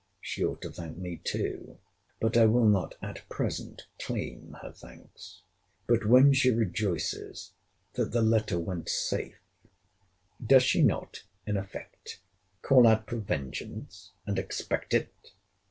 She ought to thank me too. But I will not at present claim her thanks. But when she rejoices that the letter went safe, does she not, in effect, call out for vengeance, and expect it!